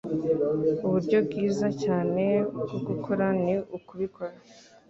Uburyo bwiza cyane bwo gukora ni ukubikora.”